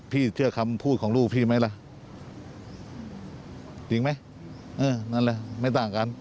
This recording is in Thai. พี่เชื่อคำพูดของลูกพี่ไหมหรอ